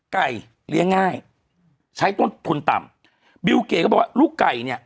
ไก่เลี้ยงง่ายใช้ต้นทุนต่ำบิวเก๋ก็บอกว่าลูกไก่เนี่ย